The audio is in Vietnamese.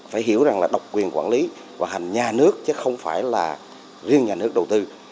phải hiểu rằng là độc quyền quản lý vận hành nhà nước chứ không phải là riêng nhà nước đầu tư